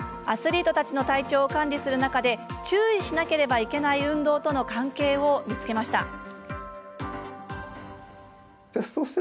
アスリートたちの体調を管理する中で注意しなければいけない運動との関係を見つけました。